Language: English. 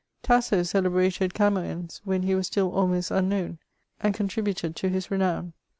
Tasso celebrated Camo^ns, when he was still almost un known, and contributed to his renown.